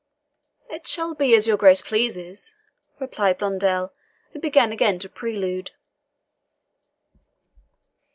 "It shall be as your Grace pleases," replied Blondel, and began again to prelude.